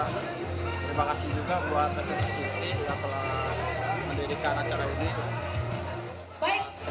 terima kasih juga buat recer city yang telah mendirikan acara ini